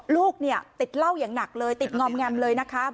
ลูกติดเล่าอย่างหนักเลยติดงอมงำเลยนะครับ